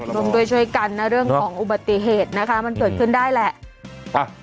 ร่วมด้วยช่วยกันนะเรื่องของอุบัติเหตุนะคะมันเกิดขึ้นได้แหละ